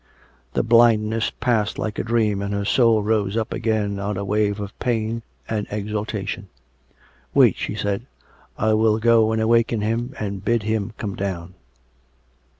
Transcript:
... The blindness passed like a dream, and her soul rose up again on a wave of pain and exaltation. .., COME RACK! COME ROPE! 337 " Wait," she said. " I will go and awaken him, and bid him come down."